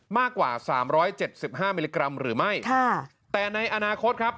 มากกว่า๓๗๕มิลลิกรัมหรือไม่แต่ในอนาคตครับ